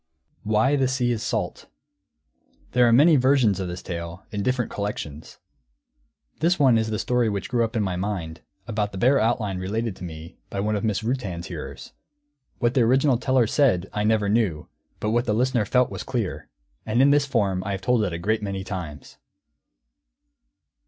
WHY THE SEA IS SALT [Footnote 1: There are many versions of this tale, in different collections. This one is the story which grew up in my mind, about the bare outline related to me by one of Mrs Rutan's hearers. What the original teller said, I never knew, but what the listener felt was clear. And in this form I have told it a great many times.